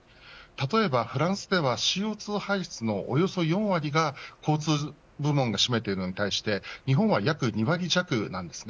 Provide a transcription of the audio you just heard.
例えばフランスではＣＯ２排出のおよそ４割が交通部門が占めているのに対して日本は約２割弱です。